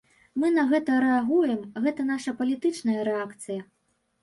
Мы на гэта рэагуем, гэта наша палітычная рэакцыя.